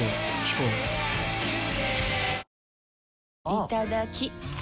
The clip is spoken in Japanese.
いただきっ！